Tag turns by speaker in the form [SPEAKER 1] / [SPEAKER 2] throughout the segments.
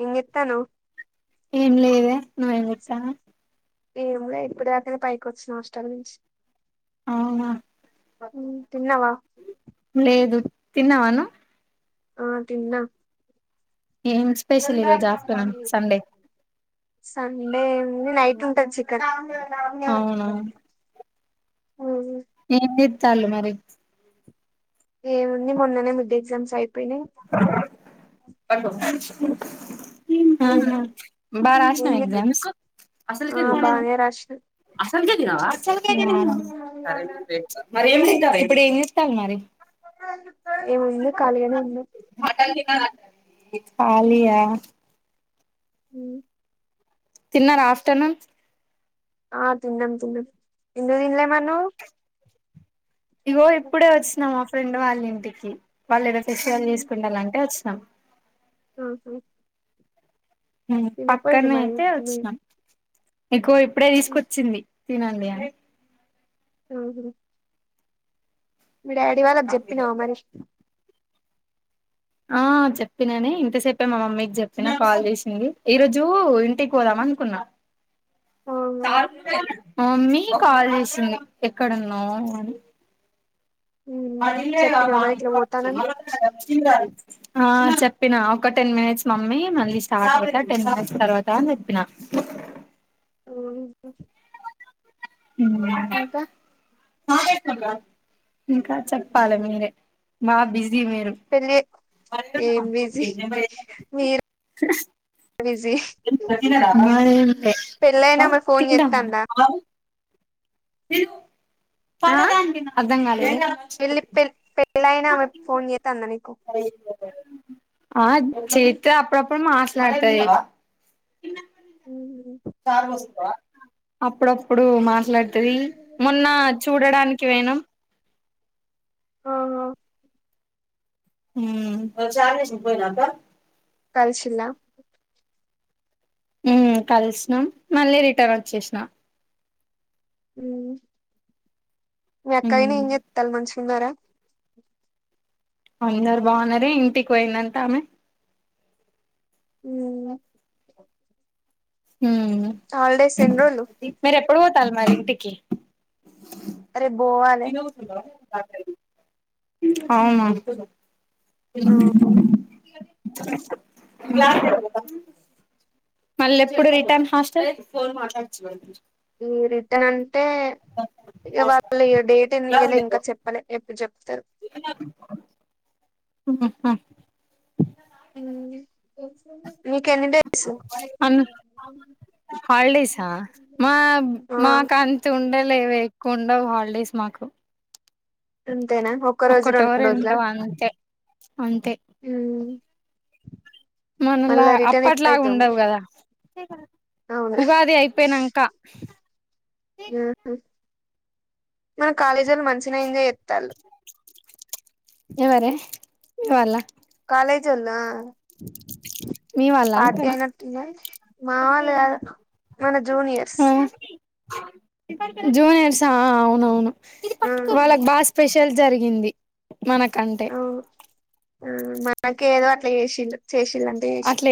[SPEAKER 1] ఏమ్ జెత్తన్నావ్
[SPEAKER 2] ఏం లేదే నువ్వేమ్ జెతున్నావ్
[SPEAKER 1] ఏమో ఇప్పుడే అక్క నీ పైకొచ్చిన హాస్టల్ నుంచ్
[SPEAKER 2] అవునా
[SPEAKER 1] హ్మ్
[SPEAKER 2] లేదు తిన్నవ అన్నమ్
[SPEAKER 1] ఆ తిన్నా
[SPEAKER 2] ఏం స్పెషల్ ఈరోజు ఆఫ్టర్నూన్ సండే
[SPEAKER 1] సండే ఏముంది నైటు టన్ చికన్
[SPEAKER 2] అవునా
[SPEAKER 1] [unintelligible]
[SPEAKER 2] ఏం చెత్తాళ్ళు మరి
[SPEAKER 1] ఏముంది మొన్ననే మిడ్ ఎగ్జామ్స్ అయి
[SPEAKER 2] మ్మ్ ఆహా... బా రాసినవా ఎగ్జామ్స్
[SPEAKER 1] ఆ
[SPEAKER 2] అసల్కె
[SPEAKER 1] బానే రాసిన
[SPEAKER 2] అస్ సల్కే తినవా మరి ఏం తిన్ త ఇప్పుడు ఏమ్ జేత్తవ్ మరి
[SPEAKER 1] ఏముంది ఖాళీగానే ఉన్నా
[SPEAKER 2] ఖాళీయా
[SPEAKER 1] మ్మ్
[SPEAKER 2] తిన్నారా ఆఫ్టర్నూన్
[SPEAKER 1] ఆ తిన్నాం తిన్నాం ఎందుక్ తిన్లే మరి నువ్
[SPEAKER 2] ఇగో ఇప్పుడే వచ్చినా మా ఫ్రెండ్ వాళ్ళన్ మ్మ్ టిఫిన్ వాళ్ళు ఏదో ఫేషియల్ చేసుకుంటానంటే వచ్ సమ్
[SPEAKER 1] ఆహ
[SPEAKER 2] మ్మ్ పక్కనే అయితే
[SPEAKER 1] ఆహా
[SPEAKER 2] వచ్చినాం ఎక్కువ అయిపో ఇప్పుడే తీసుకొచ్చింది తినండి ఇగ
[SPEAKER 1] హ్మ్ హు మీ డాడీ వాళ్ళకి చెప్పినవ మరి
[SPEAKER 2] ఆ చెప్పిననే ఇంతసేపే మా మమ్మీకి చెప్పినా కాల్ చేసింది ఈ రోజు ఇంటికి పోదాం అనుకున్నా [inaudible] మా మమ్మీ కాల్ చేసింది ఎక్కడున్నావు అని అది మ
[SPEAKER 1] చెప్పినావా మరి ఇట్లా
[SPEAKER 2] [inaudible] ఆ చెప్పినా ఒక టెన్ మినిట్స్ మమ్మీ మళ్ళీ స్టార్ట్ అయిత టెన్ మినిట్స్ తర్వాత అని చెప్పిన
[SPEAKER 1] అవున
[SPEAKER 2] మ్మ్ ఇంకా చెప్పలే మీరే బా బిజ్ ది మీరు
[SPEAKER 1] పెళ్ళి ఏం బిజీ మీరు
[SPEAKER 2] [unintelligible]
[SPEAKER 1] బిజీ
[SPEAKER 2] తిందామా
[SPEAKER 1] పెళ్ళైనా ఆమె ఫోన్ చేత్తందా
[SPEAKER 2] ఆ అర్థం కాలేదు తింటాం
[SPEAKER 1] పెళ్ళి
[SPEAKER 2] మంచిగుంటది
[SPEAKER 1] పె పెళ్ళైనా ఆమె ఫోన్ చేత్తాంద నీకు
[SPEAKER 2] ఆ చేత్తోనే అప్పుడప్పుడు మాట్లాడతది
[SPEAKER 1] ఊహూ
[SPEAKER 2] అప్పుడప్పుడు ఇప్పుడు మాట్లాడుతది మొన్న చూడడానికి పోయినం
[SPEAKER 1] ఆహా
[SPEAKER 2] ఉమ్మ్
[SPEAKER 1] కలిశిల్లా
[SPEAKER 2] ఊ కలిసినాం మళ్ళీ రిటర్న్ వచ్చేసినా
[SPEAKER 1] ఊ మీ ఆక్కయిని
[SPEAKER 2] హ్మ్
[SPEAKER 1] ఏం జేత్తాల్ మంచి తిన్నారా
[SPEAKER 2] అందరు బాగున్నారి ఇంటికి పోయిందంట ఆమె
[SPEAKER 1] [inaudible]
[SPEAKER 2] ఉమ్
[SPEAKER 1] హాలిడేస్ ఎన్ని రోజులు
[SPEAKER 2] [inaudible] ఎప్పుడు పో తల్ మరి ఇంటికి
[SPEAKER 1] రేపు పోవాలే
[SPEAKER 2] అవునా
[SPEAKER 1] ఆ
[SPEAKER 2] మళ్ళెప్పుడు రిటర్న్ హాస్టల్
[SPEAKER 1] ఊ రిటన్ అంటే ఇగ వాళ్ళ లు ఇగ డేట్ ఏం ఇయ్యలే ఇంకా చెప్పాలె ఎప్పు చెప్
[SPEAKER 2] అన్న ఉ హ్మ్ హ్
[SPEAKER 1] ఏమైంది [inaudible]
[SPEAKER 2] అన్ హాలిడేస్ ఆ మా
[SPEAKER 1] ఆ
[SPEAKER 2] మాకంతు ఉండవు లేవే. కుండవు హాల్డేస్ మాకు
[SPEAKER 1] అంతేనా ఒక్క రోజు
[SPEAKER 2] ఒక్కటో
[SPEAKER 1] రెండు రోజుల
[SPEAKER 2] రెండో అంతే
[SPEAKER 1] హుమ్
[SPEAKER 2] మనలాగ అప్పట్లాగ
[SPEAKER 1] ఎప్పుడైతావు
[SPEAKER 2] ఉండవు
[SPEAKER 1] మరి?
[SPEAKER 2] కదా
[SPEAKER 1] అవును
[SPEAKER 2] ఉగాది అయిపోయినంక
[SPEAKER 1] ఆహా. మన కాలేజోళ్ళు మంచినే ఎంజాయ్ ఎత్ త్తాళ్లు
[SPEAKER 2] ఎవరే మీవాళ్ళ
[SPEAKER 1] కాలేజ్ ఉందా
[SPEAKER 2] మీ వాళ్ళ
[SPEAKER 1] పార్టీ
[SPEAKER 2] అంటనా
[SPEAKER 1] అయినట్టు ఉందిగా మావొల్లు కాదు మన జూనియర్స్
[SPEAKER 2] ఆ జూనియర్స్ ఆ అవునవును
[SPEAKER 1] ఆ
[SPEAKER 2] వాళ్ళకి బా స్పెష షల్ జరిగింది మనకంటే
[SPEAKER 1] అవును ఆ మనకేదో అట్లా చేసిన్రు చేశిల్లు అంటే చేశిళ్ళు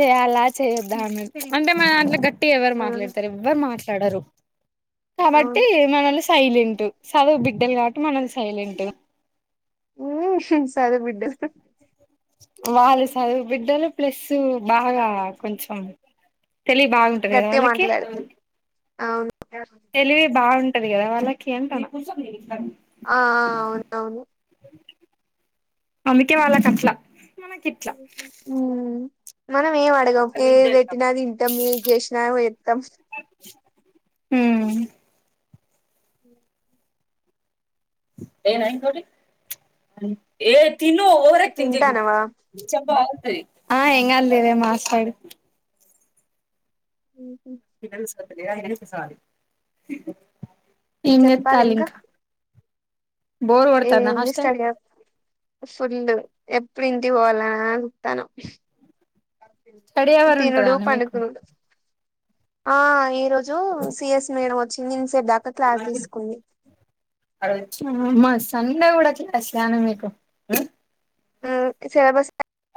[SPEAKER 2] చేయాల్న చేయొద్ద్దా అన్నట్టు అంటే మా దాంట్లే గట్ ట్టిగ ఎవరు మాట్లాడతారు ఎవ్వరు మాట్లా ట్లాడారు డరు
[SPEAKER 1] ఆ
[SPEAKER 2] కాబట్టి
[SPEAKER 1] అవును
[SPEAKER 2] మనలీని సైలెంటు చదువు బిడ్డలు కాబట్టి మనం సైలెంటు
[SPEAKER 1] ఉహు హు సదు బిడ్డలు
[SPEAKER 2] వాళ్లు సదువు బిడ్డలు ప్లస్ ఉ బాగా కొంచెం తెలివి బాగుంటది కదా
[SPEAKER 1] గట్టిగా
[SPEAKER 2] వాళ్ళకి
[SPEAKER 1] మాట్లాడు అవును
[SPEAKER 2] తెలివి బాగు టది గదా వాళ్ళకి అంటాన
[SPEAKER 1] ఆ ఆ అవునవును
[SPEAKER 2] అందుకే వాళ్ళకట్లా
[SPEAKER 1] ఉ మన ఏం అడగం ఏది పెట్టినా తింటాం ఏది చేసినా పోయేత్తం
[SPEAKER 2] హుమ్మ్ [unintelligible] [unintelligible]
[SPEAKER 1] తింటానవా
[SPEAKER 2] ఆ ఎంగాదు లేవే మాట్లాడు [unintelligible]
[SPEAKER 1] ఉహు.
[SPEAKER 2] [unintelligible] ఏంజేతల్లూ ఇంక
[SPEAKER 1] ఏం ఉంది స్టడీ హా ఫుల్లు ఎప్ ఎప్పుడు ఇంటికీ పోవాలాని చుత్తనం
[SPEAKER 2] స్టడీ అవర్
[SPEAKER 1] తినుడు
[SPEAKER 2] ఉంటదానే మీకు
[SPEAKER 1] పండుకునుడు ఆ ఏ ఈ రోజు సి ఎస్ మేడం వ చి [unintelligible]
[SPEAKER 2] మస్ సండే కూడా క్లాసులా న మీకు
[SPEAKER 1] సిలబస్
[SPEAKER 2] ఆ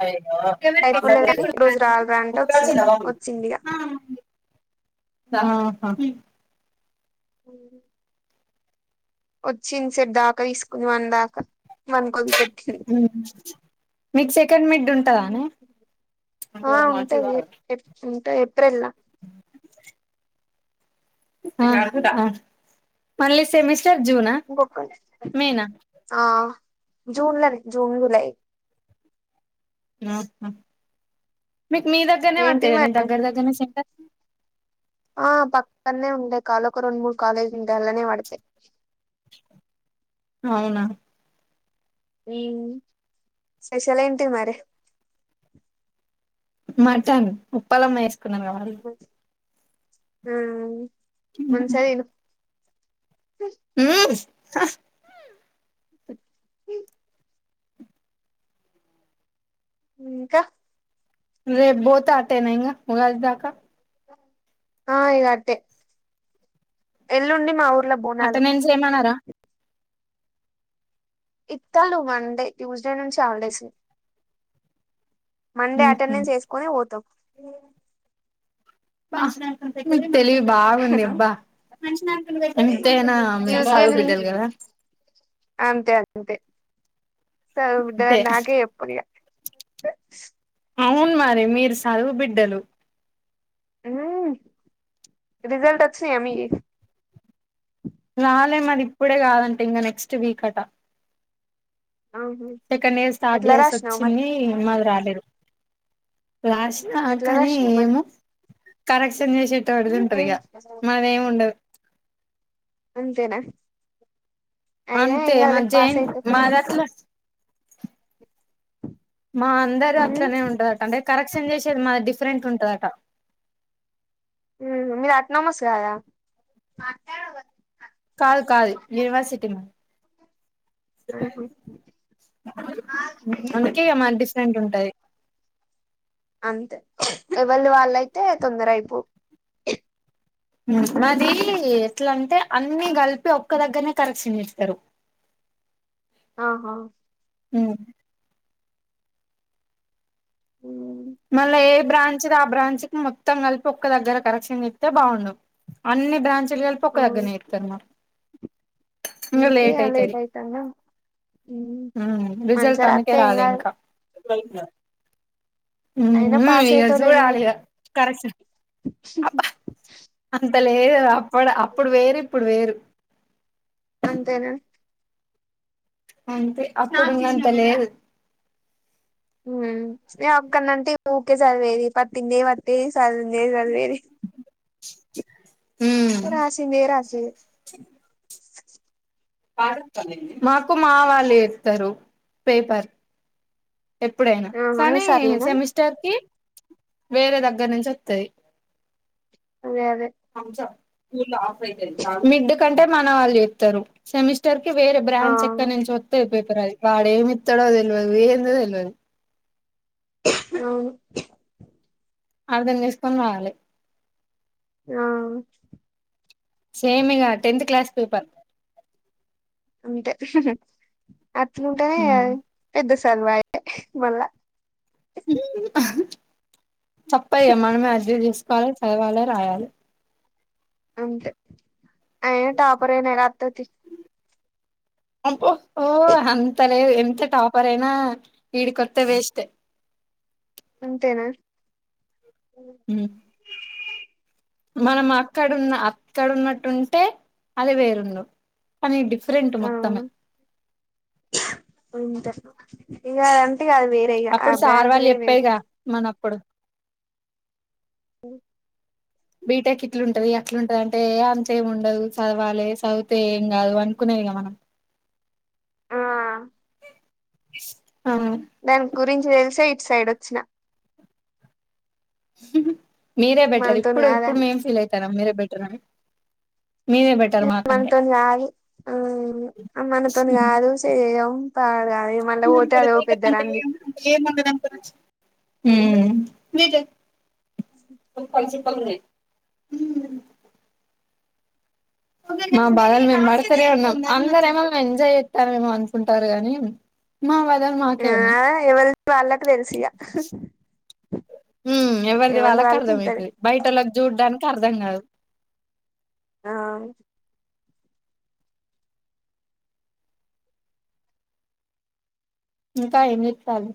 [SPEAKER 1] అయిపోలేదని ఈ రోజు రారా అంటే వచ్చిన వచ్చింది ఇగ
[SPEAKER 2] [unintelligible] ఆహ
[SPEAKER 1] [unintelligible] వచ్చింది సట్ దాకా తీసుకున్ది వన్ దాకా వన్ కదిలి పెట్టింది
[SPEAKER 2] మీకు సెకండ్ మిడ్ ఉంటదానే
[SPEAKER 1] ఆ ఉంటది ఉంటది ఏప్రిల్లో
[SPEAKER 2] మళ్ళీ సెమిస్
[SPEAKER 1] గక్క ఆ [unintelligible] జూన్లో నె జూన్ జులై
[SPEAKER 2] ఆహా మీకు మీ దగ్గరనే
[SPEAKER 1] ఏంటిది
[SPEAKER 2] పడ్తదా
[SPEAKER 1] మరి
[SPEAKER 2] దగ్గ దగ్గరనె సెంటర్
[SPEAKER 1] ఆ పక్కనే ఉండె కాాల ఒక రెండు మూడు కాలేజ్లు ఉంటాయి దాన్లోనే పడతాయి
[SPEAKER 2] అవునా
[SPEAKER 1] ఉ స్పెషల్ ఏంటి మరి
[SPEAKER 2] మటన్ ఉప్పలమ్మ వేస్తా చెన [unintelligible]
[SPEAKER 1] హ మంచిగా తిను
[SPEAKER 2] ఆ
[SPEAKER 1] [unintelligible] ఇంక
[SPEAKER 2] రేపు బోత ఆటేనఇగ ఉగాది దాకా
[SPEAKER 1] ఆ ఇగ అటే ఎల్లుండి మా ఊరు
[SPEAKER 2] అటెండెన్స్ ఏమనరా
[SPEAKER 1] ఇత్తారు మన్డే ట్యూస్డే నుంచి హల్డేస్ మండే అటెండెన్స్
[SPEAKER 2] ఏమన్నారా
[SPEAKER 1] వేసుకొని పోతం అ
[SPEAKER 2] బాస [unintelligible] తెలివి బాగుంది అబ్బా అంతేనా మంచి
[SPEAKER 1] ట్యూస్డే ను
[SPEAKER 2] బిడ్డలు కదా
[SPEAKER 1] అంతె సదువు బిడ్డ
[SPEAKER 2] అంతే
[SPEAKER 1] నాకే చెప్పాలిగ [unintelligible]
[SPEAKER 2] అవును మరి మీరు సదువు బిడ్డలు
[SPEAKER 1] హ రిజల్ట్ విచ్చినయ మీయి
[SPEAKER 2] రాలే మాది ఇప్పుడే కాదంట ఇంకా నెక్స్ట్ వీక్ అట
[SPEAKER 1] ఆహా
[SPEAKER 2] సెకండ్ ఇయర్స్ థర్డ్
[SPEAKER 1] ఎట్లా
[SPEAKER 2] ఇయర్స్
[SPEAKER 1] రాసినావు మరి
[SPEAKER 2] వచ్చింది మాది రాలేదు రాసిన
[SPEAKER 1] ఎట్లా
[SPEAKER 2] కానీ
[SPEAKER 1] రాసినావు మరి
[SPEAKER 2] ఏమె కరెస్ట్ కరెక్షన్ చేస్తేటోడిది వుంటదిగ
[SPEAKER 1] ఏం
[SPEAKER 2] మాదేముండదు
[SPEAKER 1] అంతేన
[SPEAKER 2] అంతే మంచిగేంది మాద మా అందరు
[SPEAKER 1] ఉమ్
[SPEAKER 2] అట్లనే ఉంటుదట అంటే కరెక్షన్ చేసేది మా డిఫరెంట్ ఉంటు ఉంటుందట
[SPEAKER 1] మీరు అట్ [unintelligible]
[SPEAKER 2] కాదు కాదు యూనివర్సిటీ మాది
[SPEAKER 1] ఆహా
[SPEAKER 2] అందుకే ఇగ మా [unintelligible] ఉంటాయి
[SPEAKER 1] అంతే ఎవళ వాళ్ళయితే తొందర అయిపోవు
[SPEAKER 2] హుహు మాది ఎట్లాంటే అన్ని కలిపి ఒక్క దగ్గరనే కరెక్క్షన్ చేస్తారు
[SPEAKER 1] ఆహ
[SPEAKER 2] హు
[SPEAKER 1] ఉమ్
[SPEAKER 2] మళ్ళా ఏ బ్రాంచ్ ఆ బ్రాంచ్కీ మొత్తం కలిపి ఒక్క దగ్గర కరెక్షన్ ఇస్తతే బాగుండవు అన్ని బ్రాంచలు కలిపి ఒక
[SPEAKER 1] ఆ
[SPEAKER 2] దగ్గరనే జెత్తరు మాకు ఇంగ
[SPEAKER 1] అందుకే లేట్
[SPEAKER 2] అయితది
[SPEAKER 1] అయితాంద హు మంచిగ రాత్తే ఏం కాదు
[SPEAKER 2] [unintelligible]
[SPEAKER 1] అయినా పాస్
[SPEAKER 2] హు జూడాలిగ కరెక్షన్
[SPEAKER 1] హుహు
[SPEAKER 2] అబ్బా అంత లేదు అప్పుడు అప్పుడు వేరు ఇప్పుడు వేరు
[SPEAKER 1] అంతేనా
[SPEAKER 2] అంతే అప్పుడు ఉన్నంత లేదు
[SPEAKER 1] హు [unintelligible] ఊకే సదివేది పట్టిందే పట్టి చదివింది చదివేది
[SPEAKER 2] [inaudible]
[SPEAKER 1] రాసింది రాసేది
[SPEAKER 2] మాకు మా వాళ్ళు ఇస్తారు పేపర్ ఎప్పుడైనా
[SPEAKER 1] ఆహా మీ
[SPEAKER 2] కానీ
[SPEAKER 1] సార్లేనా
[SPEAKER 2] సెమిస్టర్ కి వేరే దగ్గర నుంచి వత్తాయి
[SPEAKER 1] అదే అదే
[SPEAKER 2] [unintelligible] మిడ్ కంటే మన వాళ్ళు చెప్తారు సెమిస్టర్ వేర బ్రాంచ్
[SPEAKER 1] ఆ
[SPEAKER 2] ఎక్కడ నుంచి వత్తే ది వాడే మిత్తడో తెల్వదు ఏందో [unintelligible]
[SPEAKER 1] అవును
[SPEAKER 2] అర్థం చేసుకొని రావాలి
[SPEAKER 1] ఆ
[SPEAKER 2] సేమ్ ఇగ టెన్త్ క్లాస్ పేపర్
[SPEAKER 1] అంతే ఉహ్ హ్మ్ అట్లుంటేనే కదు పెద్దస్ తెల్వయక్ మళ్ళ
[SPEAKER 2] తప్పయ్యా మనమే అర్థం చేసుకోవాల చదవాల రాయాలి
[SPEAKER 1] అంతే అయిన టాపరైనా ఏం రాత్తతీ
[SPEAKER 2] అబ్బో ఓ అంతలేదు ఎంత టాపరైనా ఈడి కొత్తే వేస్ట్.
[SPEAKER 1] అంతేనా
[SPEAKER 2] మ్మ్ మనం అక్కడున్న అ క్కడున్నట్టు ఉంటే అది వేరుందు పని డిఫ్ ప్రెంట్
[SPEAKER 1] ఆ
[SPEAKER 2] మొత్తమే
[SPEAKER 1] ఇగా అం
[SPEAKER 2] అప్పుడు సార్ వాళ్ళు చెప్పేగా మనప్పుడు
[SPEAKER 1] హ్మ్
[SPEAKER 2] బీటెక్ ఇట్లుంటది అట్లుంటది అంటే ఏ అంతే ఏముండదు చదవాలి చదివితే ఏం కాదు అనుకునేదిగా మనం.
[SPEAKER 1] ఆ
[SPEAKER 2] ఇస్ ఆహ్ హా
[SPEAKER 1] దాని గురించి తెలిసే ఇటు సైడ్ వచ్చినా
[SPEAKER 2] మీరే బెటర్ ఇప్పుడు ఇప్పుడు
[SPEAKER 1] కాదని
[SPEAKER 2] మేం ఫీల్ అయితనాం మీరే బెటర్ అని మీరే బెటర్ మాకంటే
[SPEAKER 1] మనతోని కాదు అనకూడదు ఆ మనతోని కాదు చేయం. పాడ్ గా అది మళ్ళ పోతే అదో పెద్ద రంది
[SPEAKER 2] హ్మ్ మీర్ జె వాళ్ పంక్షన్ ప్పగా ఉన్నాయి మా బాధలు మేము పడతనే ఉన్నాం. అందర్ ఏమో ఎంజాయ్ జెత్తా ఏమో అనుకుంటారు గానీ. మాకే ఉన్నయి
[SPEAKER 1] వాళ క్
[SPEAKER 2] హ్మ్ ఎవరిది వాళ్ళకి అర్థమయితది, బయటలోకి చూడ్డానికి అర్థం కాదు.
[SPEAKER 1] ఆ
[SPEAKER 2] ఇంకా ఏం చెత్తాళ్లు